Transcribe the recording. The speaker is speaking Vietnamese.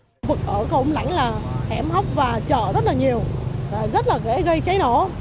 công an phường cầu âm lãnh là hẻm hốc và chợ rất nhiều rất gây cháy nổ